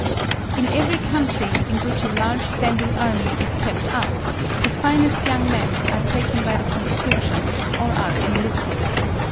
In every country in which a large standing army is kept up, the finest young men are taken by the conscription or are enlisted.